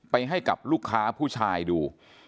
ให้กับลูกค้าผู้ชายดู